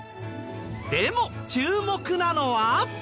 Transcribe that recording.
でも注目なのは。